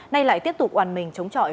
nay lại tiếp tục hoàn mình chống chọi